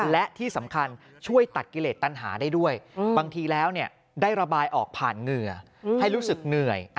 และที่สำคัญช่วยตัดกิเลสตัญหาได้ด้วยบางทีแล้วได้ระบายออกผ่านเหงื่อให้รู้สึกเหนื่อย